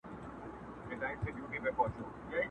څومره ښکلې دي کږه توره مشوکه!!